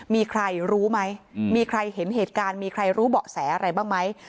มีใครรู้ไหมมีใครเห็นเหตุการณ์มีใครรู้เบาะแสอะไรบ้างไหม